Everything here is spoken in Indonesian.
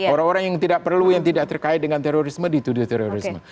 orang orang yang tidak perlu yang tidak terkait dengan terorisme dituduh terorisme